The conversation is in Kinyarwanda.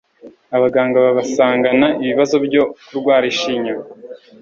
abaganga babasangana ibibazo byo kurwara ishinya